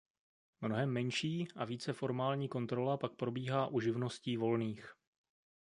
Mnohem menší a více formální kontrola pak probíhá u živností volných.